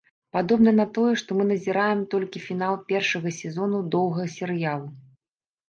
Падобна на тое, што мы назіраем толькі фінал першага сезону доўгага серыялу.